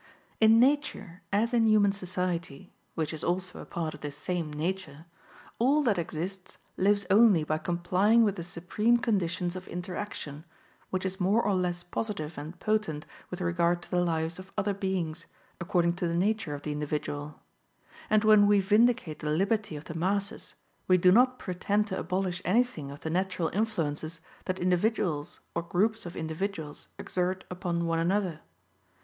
"In nature, as in human society, which is also a part of this same nature, all that exists lives only by complying with the supreme conditions of interaction, which is more or less positive and potent with regard to the lives of other beings, according to the nature of the individual. And when we vindicate the liberty of the masses, we do not pretend to abolish anything of the natural influences that individuals or groups of individuals exert upon one another.